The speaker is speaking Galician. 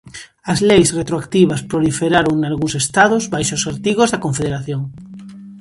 As Leis retroactivas proliferaron nalgúns Estados baixo os Artigos da Confederación.